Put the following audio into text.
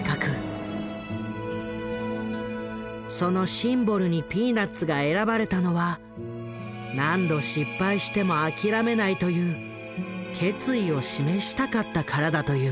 そのシンボルに「ピーナッツ」が選ばれたのはという決意を示したかったからだという。